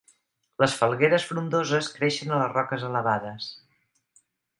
Les falgueres frondoses creixen a les roques elevades.